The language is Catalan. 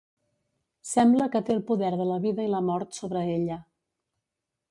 Sembla que té el poder de la vida i la mort sobre ella.